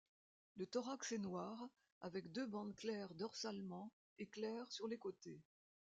Le thorax est noir avec deux bandes claires dorsalement et clair sur les côtés.